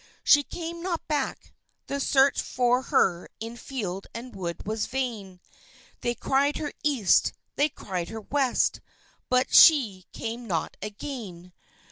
She came not back; the search for her in field and wood was vain: They cried her east, they cried her west, but she came not again.